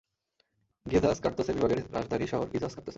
গ্ঝিস-কা-র্ত্সে বিভাগের রাজধানী শহর গ্ঝিস-কা-র্ত্সে।